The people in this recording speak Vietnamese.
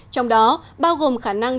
trong đó bao gồm khả năng